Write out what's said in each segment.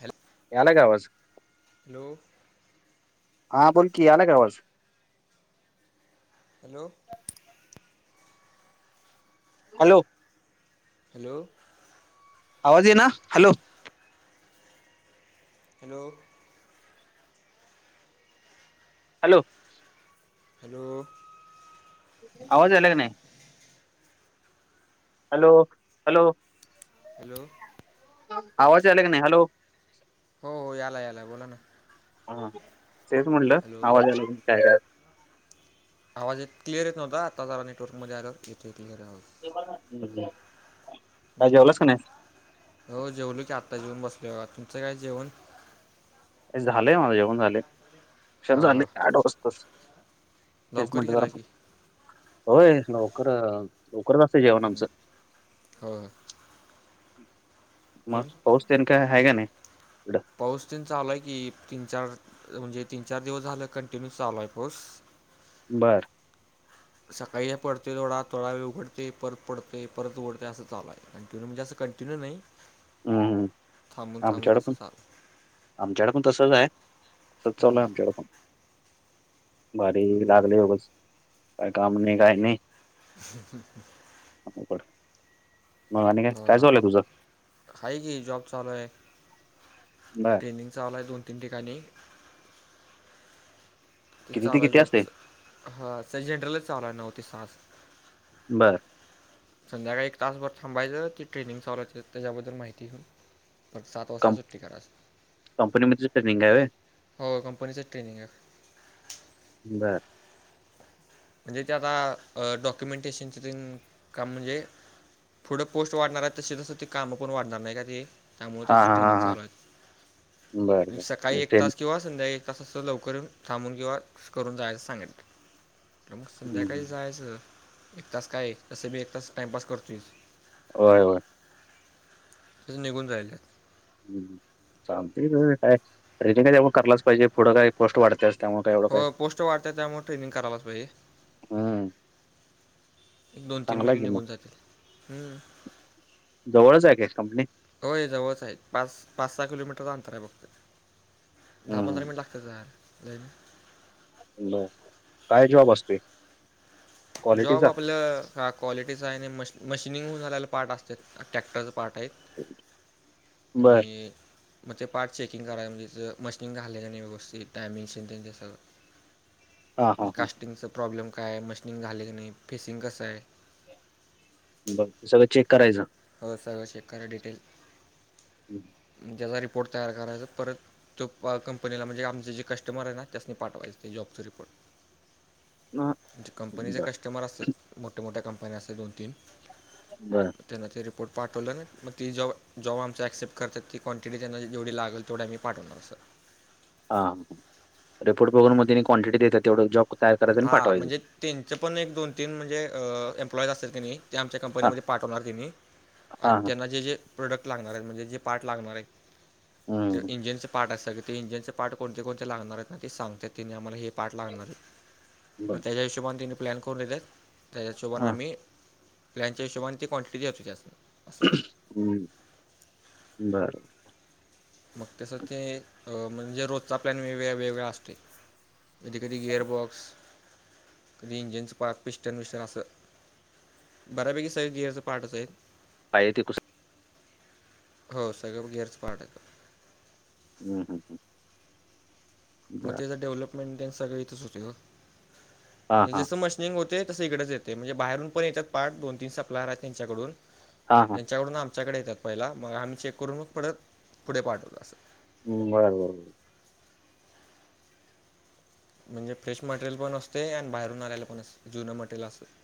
हल याला कावाज हॅलो हा बोल की अलग आवाज हॅलो हॅलो हॅलो आवाजे ना हॅलो हॅलो हॅलो हॅलो आवाज आला क नाही हॅलो हॅलो हॅलो आवाज अलेग नाही हॅलो हो हो याला याला बोला ना हा तेच म्हटलं हॅलो आवाजला काय आवाज क्लिअर य नव्हता आता जरा नेटवर्क मध्ये आल्यावर इथे क्लअर आवाज हम् हम्म हो जेवलो की आत्ता जेऊन बसल तुमचं काय जेवण झालंय माझं जेवण झाले क्षण हां झाले हां आठ वाजता तेच लवकर म्हण केला ज की होय लवकर लवकर ह हो मग पाऊसन का ह का नाही तिकडं? पाऊस ते चालूय की तीन चार म्हणजे तीन चार दिवस झाले कंटिन्यू चालू आहे पाऊस बरं सकाळी पडते थोडा थोडा वेळ उघडते परत पडते परत उघडते असं चाललं आहे आणि ति म्हणजे असं कंटिन्यू नाही हम्म थांबून हम् आ थांबून चढ असं पण चालू आमच्याकडे पण तसच आहे तसच हां चालय आमच्याकडे पण भारी लागले उगस काय काम नाही काही नाही ह ह क मग आणि काय काय ऊलंय तुझं काा की जॉब चालू आहे बर ट्रेनंग चा आला आहे दोन तीन ठिकाणी ते किती चालला किती असते जॉबचं हा स जनरलच चालला आहे नव्ह ते सास बर संध्याकाळी एक तासभर थांबायचं ती ट्रेनिंग चालाय त्याच्याबद्दल माहिती घऊन तर सात वाजता कं सुट्टी कराच कंपनीमध्ये ट्रेनिंग आहे होय हो कंपनीचंच ट्रेनिंग आहे बरं म्हणजे ते आता डॉक्युमेंटेशनचे काम म्हणजे पुुढं पोस्ट वाढणार आहे तशी तस ते कामं पण वाढणार नाही का ते त्यामुळे हा त्यांच हा हा ट्रेनिंग हा चालू बर आहे सकाळी बर एक ट्रेन तास किंवास संध्या एक तासच लवकर थांबून किंवा करून जायच सांगल तर मग संध्याकाळी हं. जायचं एक तास काय तस मी एक तास टाइमपास करतोयस होय होय त निघून जाहिले हम्म ांगते का रिंगयवण कलाच पाहिजे पुढं काही पोस्ट वाढते हो पोस्ट वाढत त्यामुळे ट्रेनिंग करालाच पाहिजे हम् एक दोन तीन महिने की मग निघून जातील हम्म जवळच आहे कश कंपनी होय जवळच आहे पाच पाच सहा किलोमीटरचं अंतर आहे फघत दहा पंधरा हम्म मिनिट लागत ब काय जवाब असतोय जॉब क्वालिटीचा आपल्या का क्वालिटीचं आहे मश मशिनिंगऊन झालेला पार्ट असतते टॅक्टरचं पार्ट आहेत बर आणि मग ते पार्ट चेकिंग कराय म्हजे मशीन घाले नाही व्यस्थित टयमिंग्स त्यांच्या सगळं हा हा म्हणजे हा कास्टिंगचा प्रॉब्लेम काय आहे मशिनिंग झाले की नाही फेसिंग कसं आहे बरं ते सगळं चेक करायचं हो सगळं चेक करा डिटेल त्या्याचा रिपोर्ट तयार करायचा परत तो कंपनीला म्हणजे आमचे जे कस्टमर आहे ना त्यासनी पाठवायचें ते जॉबचा रिपोर्ट हा म्हणजे कंपनीचे बर कस्टमर असतात मोठ्या मोठ्या कंपन्या असत दोन तीन बरं त्यांना ते रिपोर्ट पाठवलं नाही मगी जॉब आमं ॲक्सेप्ट करतात ती क्वटी त्यां जेवढी लागल तेवढं मी पाठणार सर हा रिपोर्ट बघून मग तिने क्वांटिटी देतात तेवढं जॉ हा म्हणजे त्यांचं पण एक दोन तीन म्हणजे एम्प्लॉईज असतील की नाही ते आमच्या हा कंपनीमध्ये पाठवणार तेंनी हा आणि हा त्यांना जे जे प्रोडक्ट लागणार आहेत म्हणजे जे पार्ट लागणार आहे ते हम्म इंजिनचं पार्ट आहे सगळे ते इंजिनचे पार्ट कोणचे कोणचे लागणार आहेत ना ते सांगतात तेंनी आम्हाला हे पार्ट लागणार आहे मंग बर त्यांच्या हिशोबांन तिनें प्लॅन करूंन देतात त्यांच्या हिशोबाने हा आम्हीं प्लॅनच्या हिशोबाने ती काॅनटिटी होती जास्तं हम्म बरं मंग तसच ते म्हणजे रोजचा प्लॅन वेग वेगळां असतोय कधीं कधीं गिअरबॉक्स कधीं इंजिनचं प पिस्टन बस्टन असं बऱ्यापैकी सगळं गियरं पार्टच हाईत. पाहिजे ते कु हो सगळं गेयरच पार्ट हाईत हम हम ह मंग त्याचं डेव्हलपमेंट सगळं इथंच हां, होतें हां. जसं मं मशिन ते होते तसं ईकडेच येतं म्हणजे बाहेरून पणं येतांत पार्ट दोन तीनं सप्लायर आहेत त्यांच्याकडून हां, हां. त्यांच्याकडून आमच्यांकडे येतांत पहिला मंग आम्हीं चेक करूंन मंग परत पुढें पाठवतं असं हम बरं बरं बरं म्हणजे फ्रेश मटेरियल पणं असतें आणि बाहेरून आलेलयं पणं असतें जुनं मटेरियल असते असं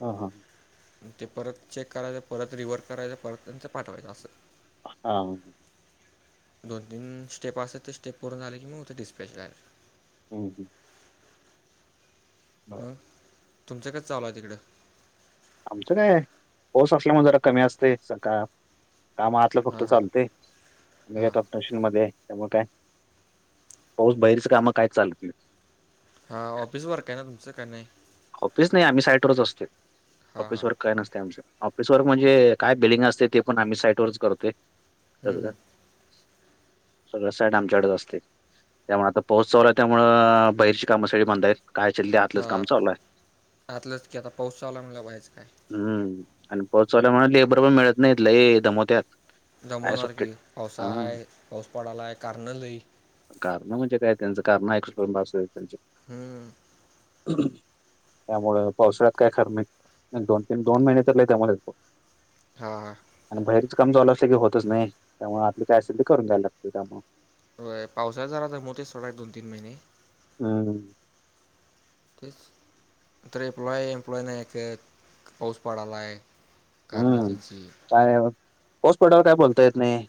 ह हां ते परत चेक करायचं परत रिव्हर करायचं परत त्यांचं पाठवायचं असं. हा दोन तीन स्टेप असे ते स्टेप करून झाले की मग उते डिस्पच लार हम् हम् अं तुमच काय चालू आहे तिकडे आमचं कायं पाऊस असल्यामुळें जरा कमी असतें सकाळीं कामं आातलं हां फक्तं हां चालते मंग हां येतांत स्टेशन मध्यें तेव्हा कायं पाऊस बाहिरंच कामं कायं चालत नाहीत हा ऑफिस वर्क आहे नां तुमचं कांहीं की नाहीं ऑफिस नाहीं आम्हीं साईटवरच असतोय हां हां ऑफिसवर कायं नसतय आमच्यात ऑफिस वर म्हणजे कायं बिलिंग असतें ते पणं आम्हीं साईट वरच करतोय हं, सगळं. हं. [unintelligible] सगळं साईट आमच्यांकडेच असतें त्यामुळें आता पाऊस चालू हाय त्यामुळं बाहेरची कामं सगळी बंद आहेत. कायंआसल आंतलंच कामं हां चालू हाय आतलंच की आता पाऊस चालू म्हटल्यावर बाहेरच कायं हम्मं आणि पोहोचवल्यां मुळ लेबर पणं मिळतं नाहींत लय दमवत्यांत दमवणार की पाऊसाळा हाय पाऊस पडालांय कारनं लई कारणं म्हणजे कायं त्यांचं कारणं ऐक त्यांचें हं, त्यामुळे पावसाळ्यांत कायं खरं नाहीं दोन तीनं दोन महिने लंय [unintelligible] हां.... आणि बाहेरची कामं चालू असली की होतंच नाहीं त्यामुळें आतली कायं असल ते करूंन द्यायला लागतय कामं. व्हयं पावसाळ्यात जरा दमवतयच सोडा एक दोन तीनं महिने हम्मं तेचं तरं एमप्लॉय एम्प्लॉय नाहीं कां एकतर पाऊस पडांलायं कारणं त्यांची कायं पाऊस पडल्यावर काय बोलता येतं नाहीं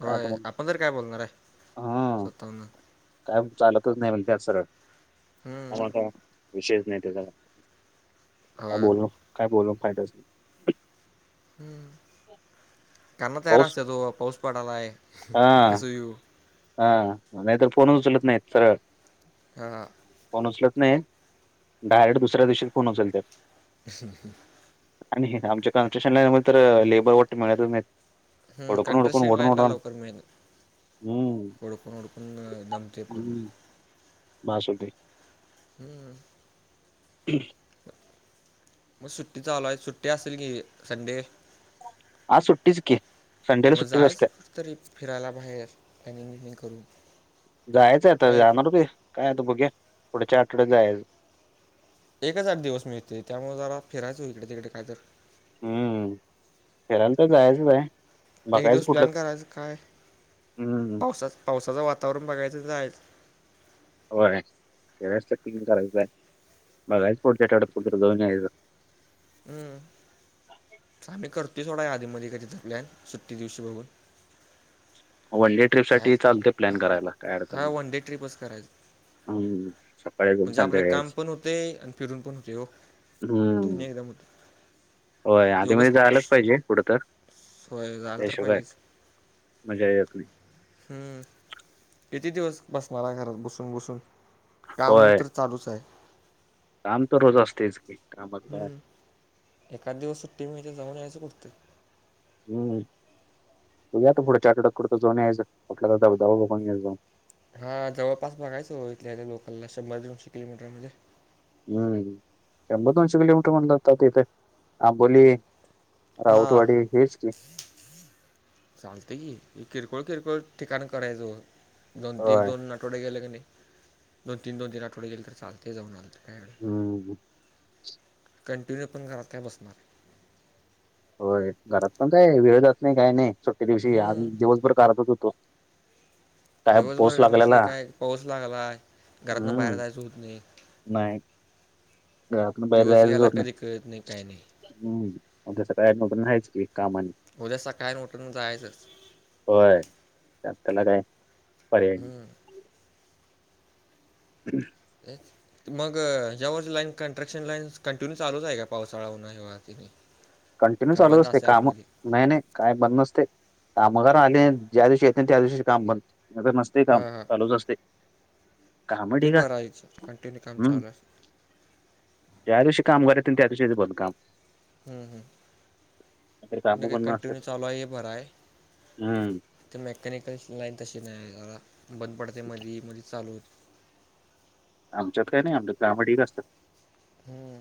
होयं आपणं तर कायं बोलणारं आहे स्वताहून कायंम चालतंच नाहीं म्हणत्यांत सरळं हम्म विषयच नाही तेजा काय होय बोलून काय बोलून फायदाच नाही हम्मं [unintelligible] कामं तयार पाऊस असतांत तो पाऊस पडालांय हा कसं व्हियू हा नाहीं तर फोन उचलत नाहीं तरं सरळं ह फोन उचलत नाही डायरेक्ट दुसऱ्या दिवशीत फोन उचलत ह ह आणि आमच्या कनस्ट्रक्शन लान तर लेबर वाट मिळच हम् कंट्रेशन लांड लवकर मल हम्म उओडकून ओडकून दमते पूर्ण माशक्ध हम्म हम् मग सुट्टी चालू आहे सुट्टी असेल की संडे आज सुट्टीच की संडेला सुट्टीच असते क तरी फिरायला बाहेर टॅनिंग बमिंग करून जायचं आहे आता जाणार का काय आता बघ्या पुढेच्या आठवड्यात जायचं एकचार दिवस मिळते त्यामुळे जरा फिरायचो इकडे तिकडे काय तर हम्म फिरायला तर जायचंच आहे एक बघायचं दिवस कुठलं प्लॅन करायचं काय हम्म पावसा पावसाचं वातावरण बघायचं जायच होयं खचिंग करायचं आहे बघायचं पुढच्यावतत दोन हम्मं आम्हीं करतोय थोडा आधीमध्ये का तिथं प्लॅन सुट्टी दिवशी बघूंन व्हॉलेट कायच ह हां वन डे ट्रिपचं हम्म करायचं सकाळी जाऊन म्हणजे आपलं संध्याकाळी कामं यायचं पणं होतें आणि फिरून पणं होतें हो हम्म तुभी एकदां [unintelligible] होय आधी म जायलाच पाहिजे कुठ तर सोय झालं तर हशोबा आहे पाहिजेच मजा येतली हम्म किती दिवस बसणार घरात बसून बसून काम होय तर चालूच आहे काम तर रोज असतेच काही हम् एखकाद दिवस सुट्टी म्ह तर जमन यायचं उठतं हम् तू या तर पुढे चारटक करत जाऊनयच आपटला तर दबा बघून जाऊन हा जवळपास बघायच इथल्या लोकलला शंभर दोनशे किलोमीटर मध्ये हम् शंभर अंश किलोमीटर म्हण जातात तथे आंबोली हां राऊतवाडी हेच की चालत की किरकोळ किरकोळ ठिकाण करायचं दोन एक होय दोनट आठवडे गेले की नाही दोन तीन दोन दिन आठवडे गेले तर चालते जाऊन आल काय एवढं हम कंटिन्यू पण घरात काय बसणार होय घरात पण काय वेळ जात नाही काय नाही सुट्टे दिवशी आ दिवसभर करातच होतो काय पाऊस दिवसभर घर असले लागलेला काय पाऊस लागलाय घरातन बाहेर हम्म जायचं होत नाही नाही घरातून बाहेर दिवस जायला गेला कधी कळत नाही काय नाही जोरणम्म त्या सगळ ऍडमटून रायचं की कामाने उद्या सकाळ उठून जायचंच होय त्यांना काय पर्याय नाही हम्म, हम् मग ज्या वर् लाईन कनस्ट्रक्शन लाईन कंटिन्यू चालूच आहे का पावसाळा उन शि ती कंटिन्यू चालत असते काम नाही नाही काय बंद नसते कामागार आले ज्या दिवशी येत त्या दिवशी काम बंद नस ते काम हां हां चालूच असते काम ते ठीक आहे बरं यायचं कंटिन्यू काम हम्म चालस ज्या दिवशी कामराय त्या दिवशी बोल काम ह नाहीतर काम नाही का बंद कंटिन्यू नसतात चालू आहे आहे भर आहे हम्म तर मेकॅनिकल लाईन तशी नाही बंद पडायते म मध्ये चालू होते आमच्यात काय नाही आमच्यात कामं ढीग असतात. हम्म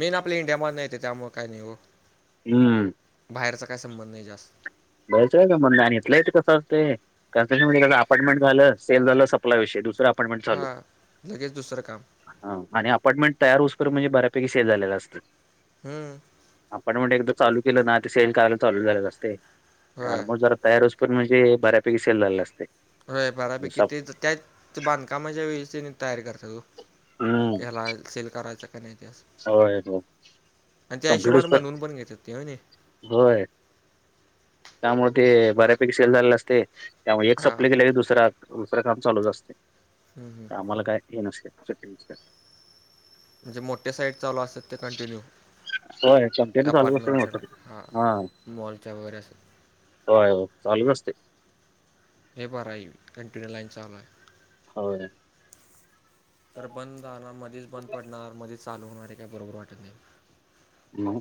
मेन आपल्या इंडिया म नाही त्याच्यामुळं काही नाही ओ हम्म. बाहेरचा काय संबंध नाही जास्त. जायचय का म्हण आणि इथल्या इथं कसं असतंय कारण त्यांच्यामध्ये कसं अपार्टमेंट झालं, सेल झालं सपला विषय दुसरं अपार्टमेंट हा लगेच दुसरं काम ह आणि अपार्टमेंट तयार होईसपर्यंत म्हणजे बऱ्यापैकी सेल झालेला असतं हम्म. पण मग एकदा चालू केलं ना ते सेल करायला चालू झालेलं असते. आणि होय ऑलमोस्ट जरा तयार होऊसपर्यंत म्हणजे बऱ्यापैकी सेल झालेल असतय. होय बऱ्यापैकी तेच त्याच बांधकामाच्या वेळीच त्यांनी तयारी करत ठरवु हम्म युक्याला सेल करायचां का नाही ते. होय हो आणि त्या हिशोबने बनवून पण घेतात ते हो नी. होय. त्यामुळे ते बऱ्यापैकी सेल झालेले असते त्यामुळे एक हां सप्लाय केलेली दुसऱ दुसरं काम चालूच असते हम्म, हम्म. कामाला काय हे नसेते सुटी म्हजे मोठे साईड चाू असत ते कंटिन्यू हो्या चालूषट हा मोॉलच्याा वगैरे अस होय चालूच असते हे बरं हाय कंटिन्यु लाईन चालू आहे. होय. तर बंद झाला मधीच बंद पडणार, मधीच चालू होणार हे काय बरोबर वाटत नाही. म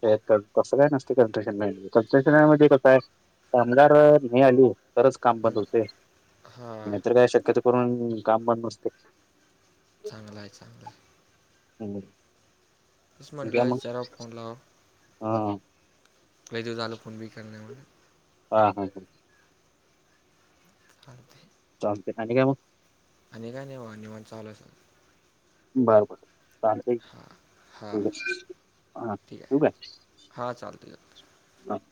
ते कसं काय नसतय कंट्रशन लाईन मधे कंट्रशनामध्ये का काय? कामगार नाही आली तरच काम बंद हम्म, होतय हा नाही तर काय शक्यतो करून काम बंद नसतंय. चांगलाय चांगलाय. ह तेच म्हणलं विचाराव फोन लावाव, हा लय दिवस झालं फोन बी केला नाही म्हणे हा हा हा. चालतंय चालतंय, आणि काय मग? आणि काय नाही वा निवांत चालु अआहे सगळं. बरं बरं हां हां चालतंय हा, ठीक ठेऊ आहे काय? हां चालतंय चालतंय. हा